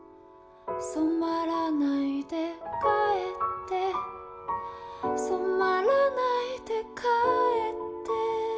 「染まらないで帰って染まらないで帰って」